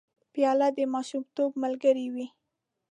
پیاله د ماشومتوب ملګرې وي.